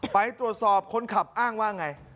ไปตรวจสอบคนขับอ้างว่าไง